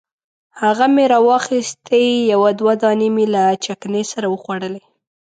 هغه مې راواخیستې یو دوه دانې مې له چکني سره وخوړلې.